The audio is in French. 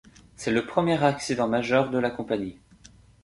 C'est le premier accident majeur de la compagnie.